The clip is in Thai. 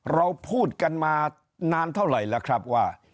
เราพูดกันมานานเท่าไหร่แล้วครับว่า